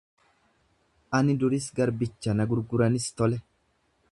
Ani duris garbicha na gurguranis tole.